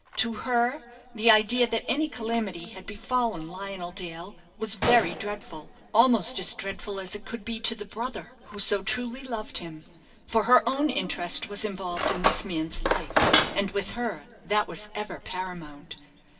To her, the idea that any calamity had befallen Lionel Dale was very dreadful almost as dreadful as it could be to the brother who so truly loved him; for her own interest was involved in this man's life, and with her that was ever paramount.